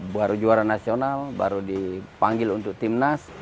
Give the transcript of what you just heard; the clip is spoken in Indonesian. baru juara nasional baru dipanggil untuk timnas